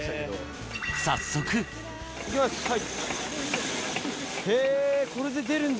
早速行きますはい。